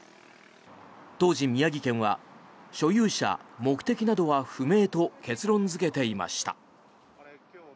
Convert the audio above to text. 当時、宮城県は所有者、目的などは不明と結論付けていました。